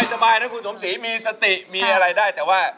สบายนะคุณสมศรีมีสติมีอะไรได้แต่ว่า